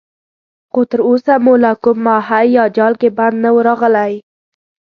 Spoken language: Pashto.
خو تر اوسه مو لا کوم ماهی په جال کې بند نه وو راغلی.